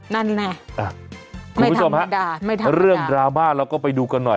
นั่นแน่อ่ะไม่ธรรมดาไม่ธรรมดาคุณผู้ชมฮะเรื่องดราม่าแล้วก็ไปดูกันหน่อย